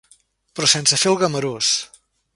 Però sense fer el gamarús...